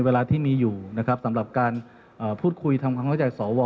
เวลาที่มีอยู่นะครับสำหรับการพูดคุยทำความเข้าใจสว